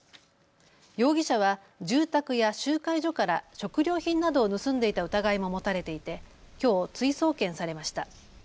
容疑者は住宅や集会所から食料品などを盗んでいた疑いも持たれていてきょう追送検されました。